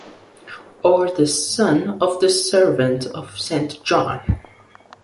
Or the son of the servant of Saint John.